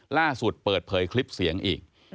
ล่าสุดเปิดเผยคลิปเสียงอีก